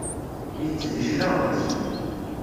Itett di cclaɣem-is.